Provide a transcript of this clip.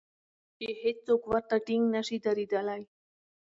چې هېڅوک ورته ټینګ نشي درېدلای.